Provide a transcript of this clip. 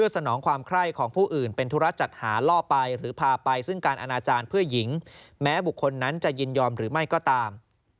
สนองความไคร้ของผู้อื่นเป็นธุระจัดหาล่อไปหรือพาไปซึ่งการอนาจารย์เพื่อหญิงแม้บุคคลนั้นจะยินยอมหรือไม่ก็ตาม